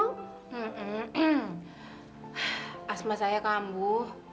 hmm asma saya kambuh